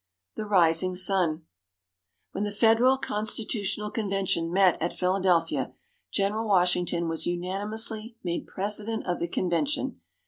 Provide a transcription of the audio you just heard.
THE RISING SUN When the Federal Constitutional Convention met at Philadelphia, General Washington was unanimously made President of the Convention.